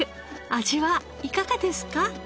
味はいかがですか？